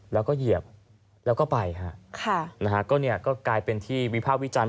แล้วก็เหยียบแล้วก็ไปฮะค่ะนะฮะก็เนี่ยก็กลายเป็นที่วิภาควิจารณ์